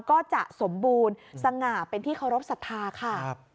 ก็จะสมบูรณ์สง่าเป็นที่เคารพสัทธาค่ะ